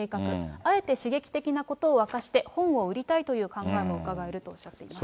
あえて刺激的なことを明かして、本を売りたいという考えもうかがえるとおっしゃっています。